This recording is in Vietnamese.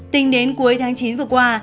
tính đến cuối tháng chín vừa qua